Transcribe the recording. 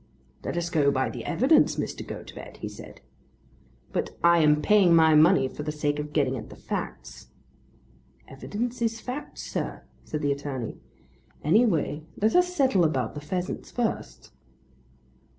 "Let us go by the evidence, Mr. Gotobed," he said. "But I am paying my money for the sake of getting at the facts." "Evidence is facts, sir," said the attorney. "Any way let us settle about the pheasants first."